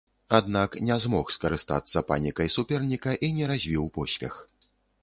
Аднак не змог скарыстацца панікай суперніка і не развіў поспех.